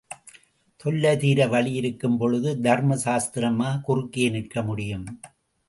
தொல்லை தீர வழி இருக்கும் பொழுது, தர்ம சாஸ்திரமா குறுக்கே நிற்க முடியும்?